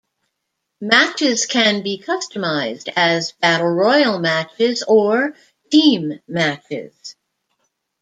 Matches can be customized as battle royal matches or team matches.